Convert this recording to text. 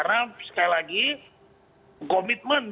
terhadap bagaimana kita melakukan kampanye ini